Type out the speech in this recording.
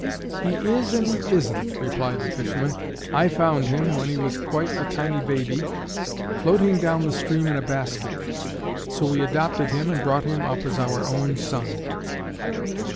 "He is and he isn't," replied the fisherman. "I found him, when he was quite a tiny baby, floating down the stream in a basket. So we adopted him and brought him up as our own son."